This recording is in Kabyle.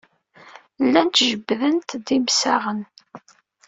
Llant jebbdent-d imsaɣen.